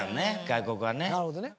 外国はね。